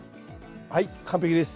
はい完璧です。